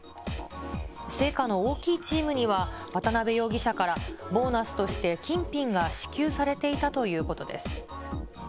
成果の大きいチームには、渡辺容疑者からボーナスとして金品が支給されていたということです。